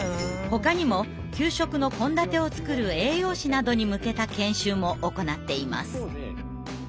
ほかにも給食の献立を作る栄養士などに向けた研修も行っています。